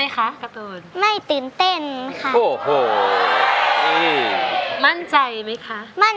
ขอนะคะ